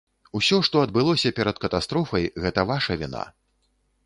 Усё, што адбылося перад катастрофай, гэта ваша віна.